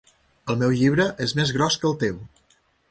El meu llibre és més gros que el teu.